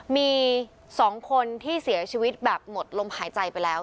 มี๒คนที่เสียชีวิตแบบหมดลมหายใจไปแล้ว